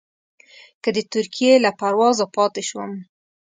که د ترکیې له پروازه پاتې شوم.